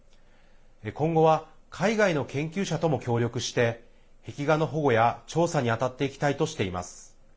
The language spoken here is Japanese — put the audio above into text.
今後は海外の研究者とも協力して壁画の保護や調査に当たっていきたいとしています。